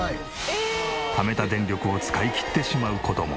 ためた電力を使いきってしまう事も。